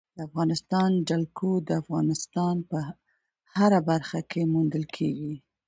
د افغانستان جلکو د افغانستان په هره برخه کې موندل کېږي.